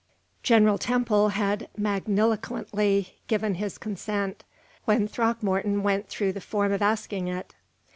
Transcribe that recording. General Temple had magniloquently given his consent, when Throckmorton went through the form of asking it.